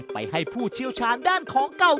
ไปให้ผู้เชี่ยวชาญด้านของเก่า